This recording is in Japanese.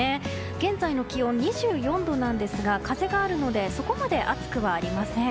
現在の気温、２４度なんですが風があるのでそこまで暑くはありません。